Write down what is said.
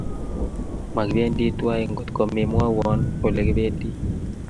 Makipendi twai ngotko memwowon ole kipendi